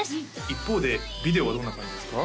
一方でビデオはどんな感じですか？